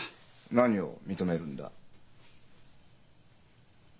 何を認めるんだ？